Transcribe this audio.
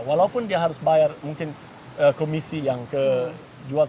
walaupun dia harus bayar mungkin komisi yang kejualan